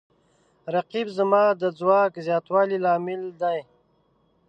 رقیب زما د ځواک د زیاتوالي لامل دی